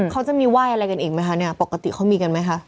เขาจะมีไหว้อะไรกันอีกไหมคะเนี่ยปกติเขามีกันไหมคะ